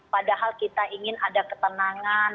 padahal kita ingin ada ketenangan